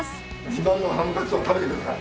自慢のハムカツを食べてください。